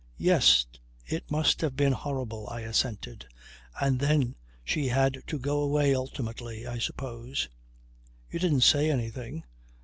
"Yes. It must have been horrible," I assented. "And then she had to go away ultimately I suppose. You didn't say anything?"